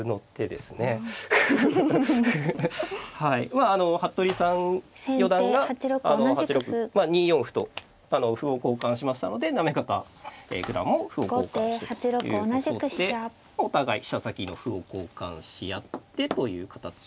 まああの服部四段があの８六２四歩と歩を交換しましたので行方九段も歩を交換したということでお互い飛車先の歩を交換し合ってという形で。